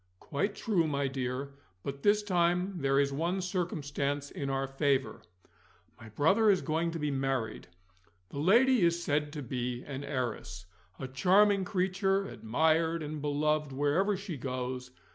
"Quite true, my dear. But, this time, there is one circumstance in our favour my brother is going to be married. The lady is said to be an heiress; a charming creature, admired and beloved wherever she goes.